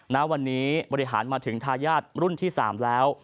ณวันนี้บริหารมาถึงทายาทรุ่นที่๓แล้ว